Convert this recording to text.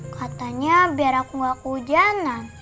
katanya biar aku nggak kehujanan